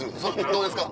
どうですか？